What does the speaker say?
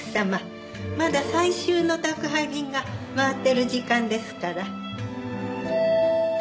まだ最終の宅配便が回ってる時間ですから。